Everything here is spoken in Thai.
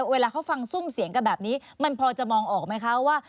เวลาเขาฟังซุ่มเสียงกันแบบนี้มันพอจะมองออกไหมคะว่า